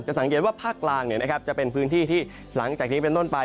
สังเกตว่าภาคกลางจะเป็นพื้นที่ที่หลังจากนี้เป็นต้นไป